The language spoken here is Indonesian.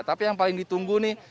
tapi yang paling ditunggu nih